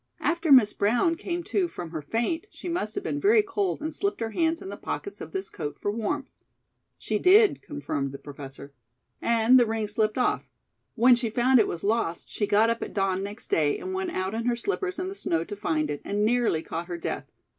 After Miss Brown came to from her faint, she must have been very cold and slipped her hands in the pockets of this coat for warmth " "She did," confirmed the Professor. "And the ring slipped off. When she found it was lost she got up at dawn next day and went out in her slippers in the snow to find it, and nearly caught her death.